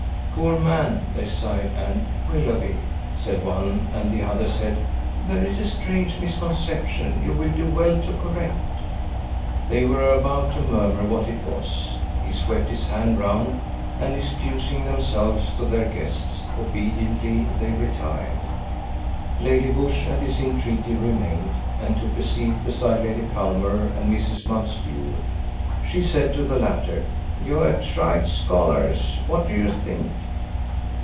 "Poor man!" they sighed; and "Willoughby," said one, and the other said: "There is a strange misconception you will do well to correct." They were about to murmur what it was. He swept his hand round, and excusing themselves to their guests, obediently they retired. Lady Busshe at his entreaty remained, and took a seat beside Lady Culmer and Mrs. Mountstuart. She said to the latter: "You have tried scholars. What do you think?"